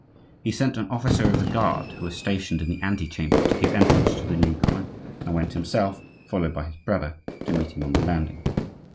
He sent an officer of the guard, who was stationed in the antechamber, to give entrance to the new comer; and went himself, followed by his brother, to meet him on the landing.